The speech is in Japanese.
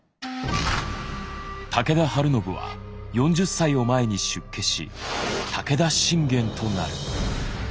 武田晴信は４０歳を前に出家し武田信玄となる。